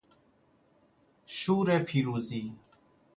شور پیروزی